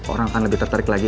orang akan lebih tertarik lagi